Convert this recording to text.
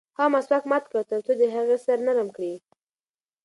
هغه مسواک مات کړ ترڅو د هغې سر نرم کړي.